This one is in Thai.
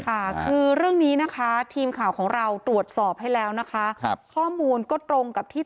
ค่ะคือเรื่องนี้นะคะทีมข่าวของเราตรวจสอบให้แล้วนะคะครับข้อมูลก็ตรงกับที่